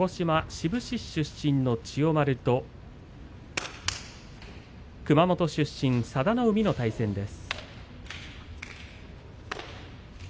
志布志市出身の千代丸と熊本市出身、佐田の海の対戦です。